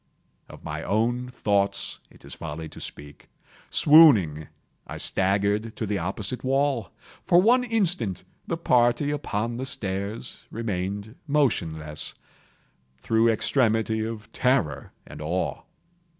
Of my own thoughts it is folly to speak. Swooning, I staggered to the opposite wall. For one instant the party upon the stairs remained motionless, through extremity of terror and of awe.